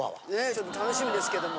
ちょっと楽しみですけども。